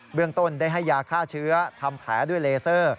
เรื่องต้นได้ให้ยาฆ่าเชื้อทำแผลด้วยเลเซอร์